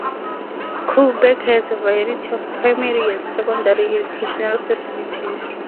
Coburg has a variety of primary and secondary educational facilities.